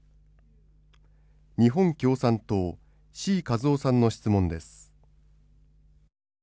日本共産党、志位和夫さんの質問です。